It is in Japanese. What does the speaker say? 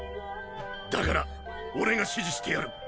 だから俺が指示してやる。